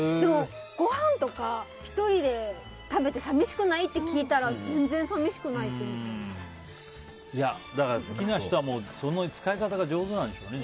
ごはんとか１人で食べて寂しくない？って聞いたら好きな人は、その使い方が上手なんでしょうね。